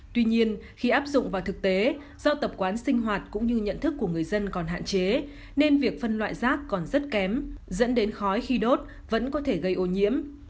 tuy nhiên khi áp dụng vào thực tế do tập quán sinh hoạt cũng như nhận thức của người dân còn hạn chế nên việc phân loại rác còn rất kém dẫn đến khói khi đốt vẫn có thể gây ô nhiễm